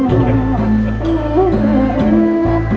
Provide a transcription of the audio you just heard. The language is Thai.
สวัสดีครับ